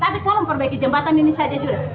tapi tolong perbaiki jembatan ini saja sudah